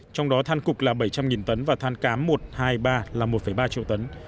trong đó than cục là bảy trăm linh tấn và than cám một hai mươi ba là một ba triệu tấn